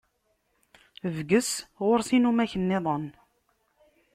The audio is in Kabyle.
Bges, ɣur-s inumak-nniḍen.